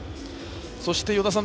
そして与田さん